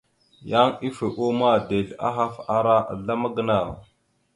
Yan ife uma, dezl ahaf ara azlam gənaw.